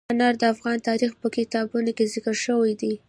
انار د افغان تاریخ په کتابونو کې ذکر شوی دي.